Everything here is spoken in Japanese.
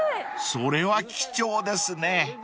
［それは貴重ですね］